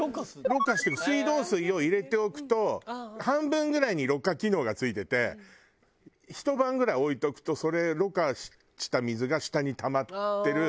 ろ過して水道水を入れておくと半分ぐらいにろ過機能が付いててひと晩ぐらい置いておくとそれろ過した水が下にたまってる